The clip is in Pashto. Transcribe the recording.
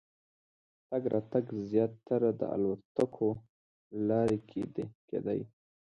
تګ راتګ زیاتره د الوتکو له لارې کېدی.